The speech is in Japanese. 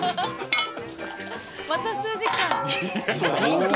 また数時間。